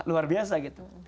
luar biasa gitu